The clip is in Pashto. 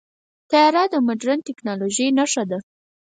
طیاره د مدرن ټیکنالوژۍ نښه ده.